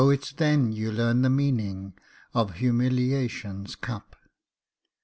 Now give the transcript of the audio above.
it's then you learn the meaning of humiliation's cup.